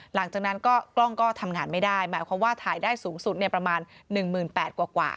หลังจากนั้นก็กล้องก็ทำงานไม่ได้หมายความว่าถ่ายได้สูงสุดประมาณ๑๘๐๐กว่า